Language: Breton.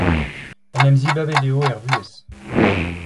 En em zibabet eo er vuhez.